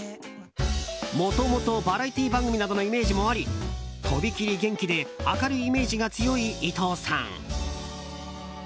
もともとバラエティー番組などのイメージもあり飛び切り元気で明るいイメージが強い伊藤さん。